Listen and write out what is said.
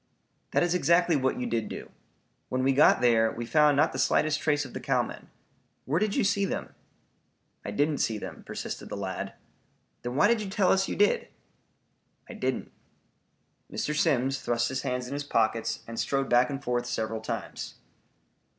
"That is exactly what you did do. When we got there we found not the slightest trace of the cowmen. Where did you see them?" "I didn't see them," persisted the lad. "Then why did you tell us you did?" "I didn't." Mr. Simms thrust his hands in his pockets and strode back and forth several times.